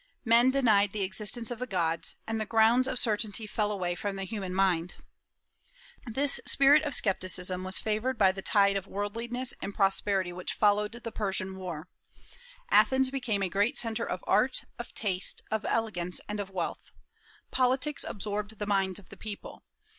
Men denied the existence of the gods, and the grounds of certainty fell away from the human mind. This spirit of scepticism was favored by the tide of worldliness and prosperity which followed the Persian War. Athens became a great centre of art, of taste, of elegance, and of wealth. Politics absorbed the minds of the people.